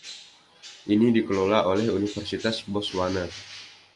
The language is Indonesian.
Ini dikelola oleh Univesitas Botswana.